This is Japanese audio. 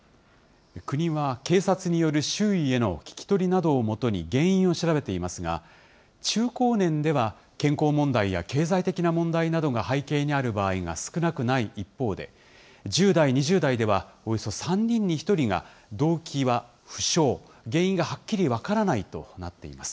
国は警察による周囲への聞き取りなどをもとに原因を調べていますが、中高年では健康問題や経済的な問題などが背景にある場合が少なくない一方で、１０代、２０代ではおよそ３人に１人が動機は不詳、原因がはっきり分からないとなっています。